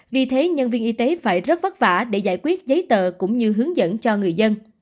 vì thế nhân viên y tế phải rất vất vả để giải quyết giấy tờ cũng như hướng dẫn cho người dân